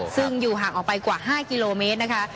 ซึ่งอยู่ห่างออกไปกว่า๕กิโลเมตรนะคะ